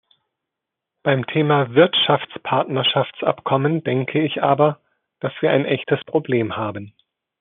Beim Thema Wirtschaftspartnerschaftsabkommen denke ich aber, dass wir ein echtes Problem haben.